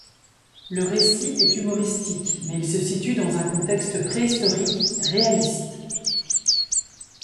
Le récit est humoristique, mais il se situe dans un contexte préhistorique réaliste.